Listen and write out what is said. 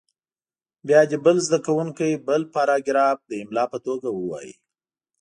بیا دې بل زده کوونکی بل پاراګراف د املا په توګه ووایي.